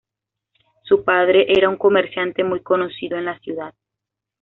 Su padre era un comerciante muy conocido en la ciudad.